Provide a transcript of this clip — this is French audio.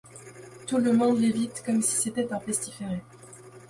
Tout le monde l'évite comme si c'était un pestiféré.